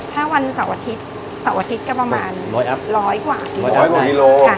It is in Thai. ถ้าวันเสาร์อาทิตย์เสาร์อาทิตย์ก็ประมาณร้อยกว่าร้อยกว่ากิโลค่ะ